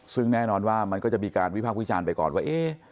ซึ่งแน่นอนว่ามันก็จะมีการวิพากษ์วิจารณ์ไปก่อนว่า